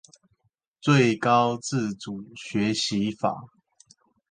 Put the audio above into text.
最高自主學習法